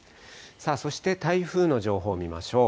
そして台風の情報見ましょう。